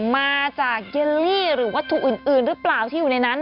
มาจากเยลลี่หรือวัตถุอื่นหรือเปล่าที่อยู่ในนั้น